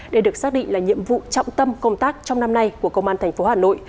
đây được xác định là nhiệm vụ trọng tâm công tác trong năm nay của công an thành phố hà nội